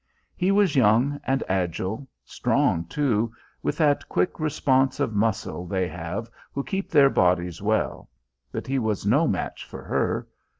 He was young and agile; strong, too, with that quick response of muscle they have who keep their bodies well; but he was no match for her.